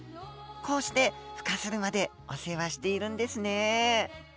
こうして孵化するまでお世話しているんですね。